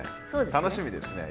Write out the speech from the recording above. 楽しみですね。